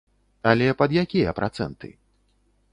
Але пад якія працэнты?